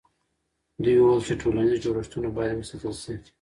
دوی وویل چې ټولنیز جوړښتونه باید وساتل سي.